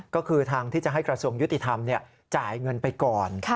ก็คือทางที่จะให้กระทรวงยุติธรรมจ่ายเงินไปก่อน